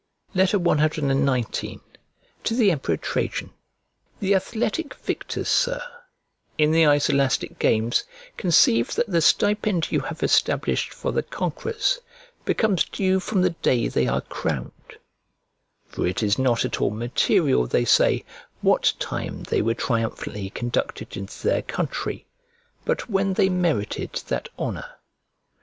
CXIX To THE EMPEROR TRAJAN THE athletic victors, Sir, in the Iselastic games, conceive that the stipend you have established for the conquerors becomes due from the day they are crowned: for it is not at all material, they say, what time they were triumphantly conducted into their country, but when they merited that honour.